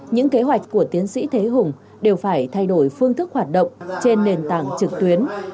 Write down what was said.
những kế hoạch của tiến sĩ thế hùng đều phải thay đổi phương thức hoạt động trên nền tảng trực tuyến